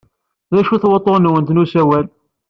D acu-t wuḍḍun-nwent n usawal?